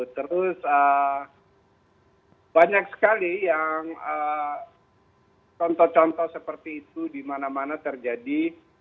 terus banyak sekali yang contoh contoh seperti itu di mana mana terjadi